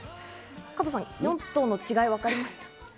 加藤さん、４頭の違い、わかりましたか？